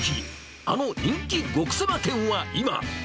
あの人気極セマ店は今？